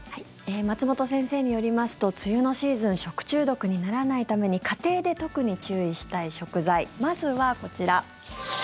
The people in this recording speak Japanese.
松本先生によりますと梅雨のシーズン食中毒にならないために家庭で特に注意したい食材まずはこちら。